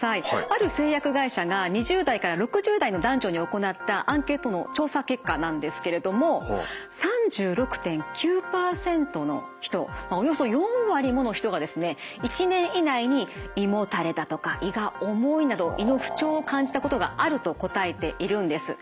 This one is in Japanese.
ある製薬会社が２０代から６０代の男女に行ったアンケートの調査結果なんですけれども３６．９％の人およそ４割もの人がですね１年以内に胃もたれだとか胃が重いなど胃の不調を感じたことがあると答えているんです。